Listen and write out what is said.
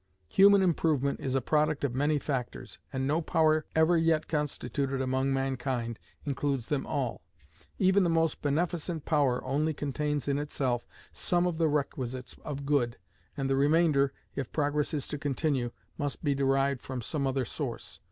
Human improvement is a product of many factors, and no power ever yet constituted among mankind includes them all: even the most beneficent power only contains in itself some of the requisites of good, and the remainder, if progress is to continue, must be derived from some other source.